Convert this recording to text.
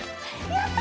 やった！